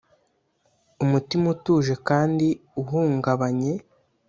umutima utuje kandi uhungabanye,